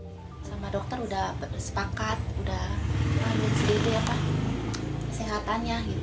sama dokter sudah bersepakat sudah melihat sehatannya